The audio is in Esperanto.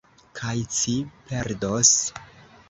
Kaj ci perdos.